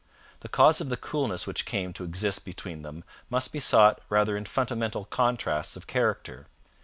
The cause of the coolness which came to exist between them must be sought rather in fundamental contrasts of character.